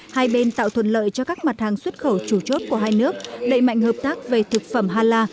hai bên tạo thuận lợi cho các mặt hàng xuất khẩu chủ chốt của hai nước đẩy mạnh hợp tác về thực phẩm hala